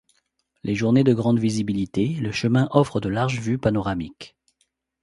Les journées de grande visibilité, le chemin offre de larges vues panoramiques.